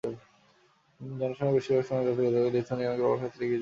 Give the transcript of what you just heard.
জনসংখ্যার বেশির ভাগই জাতিগতভাবে লিথুয়ানীয় এবং রোমান ক্যাথলিক গির্জার সদস্য।